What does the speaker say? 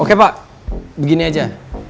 oke pak begini aja